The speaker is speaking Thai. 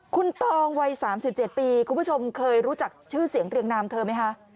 คุณตองวัย๓๗ปีคุณผู้ชมเคยรู้จักชื่อเสียงเรียงนามเธอไหมคะ